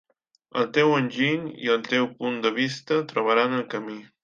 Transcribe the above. En teu enginy i el teu punt de vista trobaran el camí.